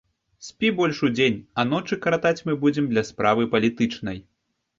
Спі больш удзень, а ночы каратаць мы будзем для справы палітычнай.